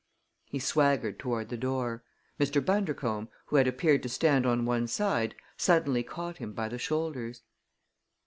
He swaggered toward the door. Mr. Bundercombe, who had appeared to stand on one side, suddenly caught him by the shoulders.